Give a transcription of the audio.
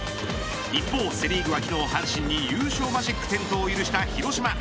一方セ・リーグは今日阪神に優勝マジック点灯を許した広島。